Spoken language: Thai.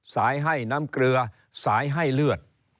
ให้น้ำเกลือสายให้เลือด